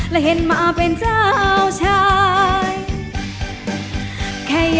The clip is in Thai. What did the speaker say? และเห็นมาเป็นเจ้าชาย